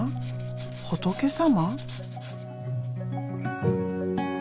仏様？